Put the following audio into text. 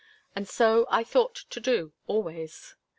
And so I thought to do always.